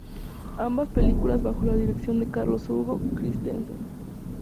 Ambas películas bajo la dirección de Carlos Hugo Christensen.